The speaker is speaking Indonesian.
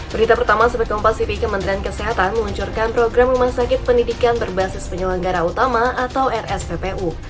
berita pertama seperti kompasifik kementerian kesehatan meluncurkan program rumah sakit pendidikan berbasis penyelenggara utama atau rsppu